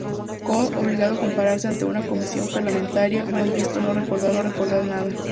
Kohl, obligado a comparecer ante una comisión parlamentaria, manifestó no recordar nada.